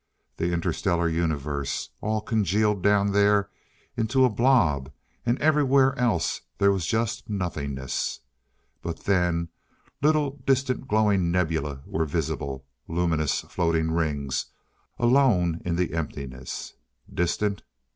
The Inter stellar Universe all congealed down there into a blob, and everywhere else there was just nothingness.... But then little distant glowing nebulae were visible luminous, floating rings, alone in the emptiness.... Distant?